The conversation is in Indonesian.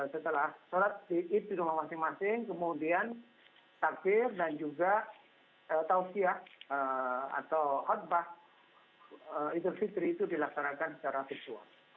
setelah sholat id di rumah masing masing kemudian takdir dan juga tausiyah atau khutbah idul fitri itu dilaksanakan secara virtual